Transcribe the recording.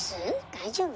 大丈夫？